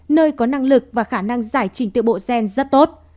nơi có năng lực và khả năng giải trình tự bộ gen rất tốt